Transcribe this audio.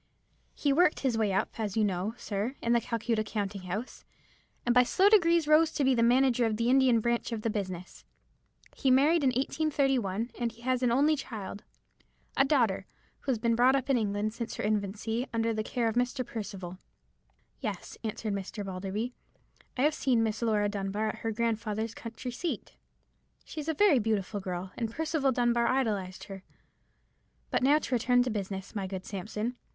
He worked his way up, as you know, sir, in the Calcutta counting house, and by slow degrees rose to be manager of the Indian branch of the business. He married in 1831, and he has an only child, a daughter, who has been brought up in England since her infancy, under the care of Mr. Percival." "Yes," answered Mr. Balderby, "I have seen Miss Laura Dunbar at her grandfather's country seat. She is a very beautiful girl, and Percival Dunbar idolized her. But now to return to business, my good Sampson.